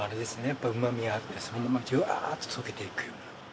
やっぱりうまみがあってそのままジュワーッと溶けていくような。